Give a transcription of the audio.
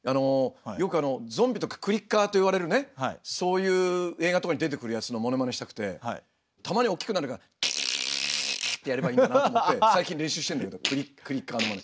よくゾンビとかクリッカーといわれるねそういう映画とかに出てくるやつのモノマネしたくてたまに大きくなる「カ」ってやればいいのかなと思って最近練習してるんだけどクリッカーのマネ。